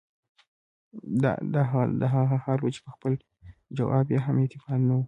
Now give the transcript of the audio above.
د هغه دا حال وۀ چې پۀ خپل جواب ئې هم اعتماد نۀ وۀ